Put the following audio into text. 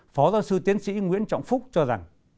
phó giáo sư tiến sĩ nguyễn trọng phúc cho rằng